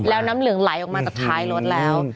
แล้วน้ำเหลืองไหลออกมาจากท้ายรถแล้ว